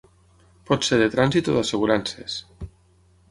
Pot ser de trànsit o d'assegurances.